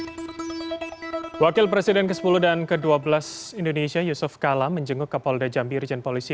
hai wakil presiden ke sepuluh dan ke dua belas indonesia yusuf kala menjenguk kapal dajambi region polisi